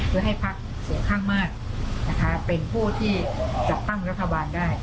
เพื่อให้พักเสียงข้างมากนะคะเป็นผู้ที่จัดตั้งรัฐบาลได้